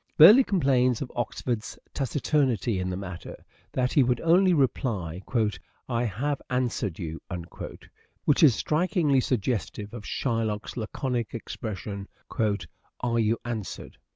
Burleigh complains of Oxford's taciturnity in the matter: that he would only reply, "/ have an swered you "— which is strikingly suggestive of Shylock's laconic expression "Are you answered